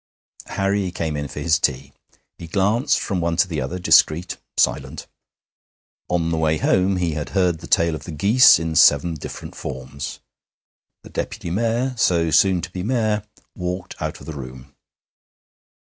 Harry came in for his tea. He glanced from one to the other, discreet, silent. On the way home he had heard the tale of the geese in seven different forms. The Deputy Mayor, so soon to be Mayor, walked out of the room.